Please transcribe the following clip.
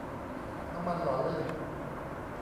น้ำมันหล่อลื่น